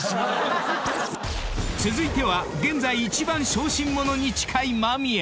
［続いては現在一番小心者に近い］